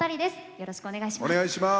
よろしくお願いします。